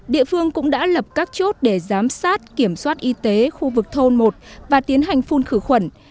địa phương cũng đã lập các chốt để giám sát kiểm soát y tế khu vực thôn một và tiến hành phun khử khuẩn